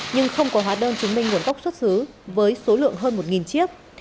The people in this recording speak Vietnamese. nhưng không có hóa đơn chứng minh nguồn gốc xuất xứ với số lượng hơn một chiếc